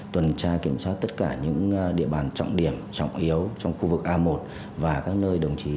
tuần tra kiểm soát tất cả những địa bàn trọng điểm trọng yếu trong khu vực a một và các nơi đồng chí